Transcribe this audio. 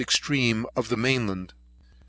extreme of the main land, S.